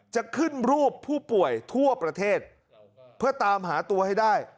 จะขึ้นรูปผู้ป่วยทั่วประเทศเพื่อตามหาตัวให้ได้